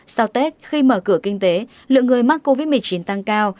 sau tết khi mở cửa kinh tế lượng người mắc covid một mươi chín tăng cao